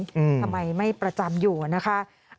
ทำไมไม่ประจำอยู่นะคะ